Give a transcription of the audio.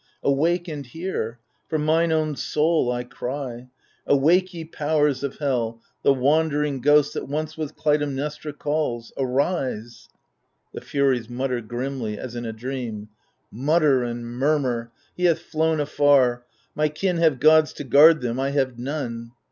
Awake and hear — ^for mine own soul I cry — Awake, ye powers of hell 1 the wandering ghost That once was Clytemnestra calls — Arise 1 [ The Furies mutter grimly^ as in a dream. Mutter and murmur 1 He hath flown afar — My kin have gods to guard them, I have none